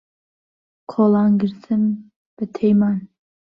کۆڵان گرتن بە تەیمان